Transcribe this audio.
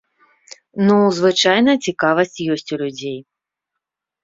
Ну, звычайна цікавасць ёсць у людзей.